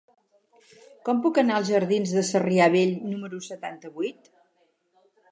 Com puc anar als jardins de Sarrià Vell número setanta-vuit?